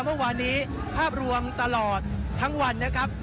เมื่อวานนี้ภาพรวมตลอดทั้งวันนะครับ